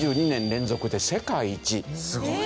すごい。